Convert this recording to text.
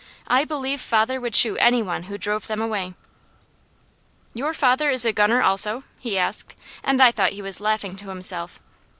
I believe father would shoot any one who drove them away." "Your father is a gunner also?" he asked, and I thought he was laughing to himself.